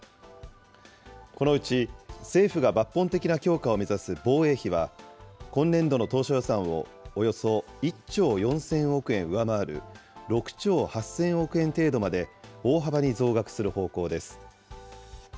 このうち政府が抜本的な強化を目指す防衛費は、今年度の当初予算をおよそ１兆４０００億円上回る、６兆８０００億円程度まで大幅に増額する方向です。